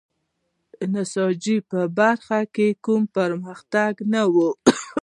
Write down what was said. د نساجۍ په برخه کې کوم پرمختګ نه و.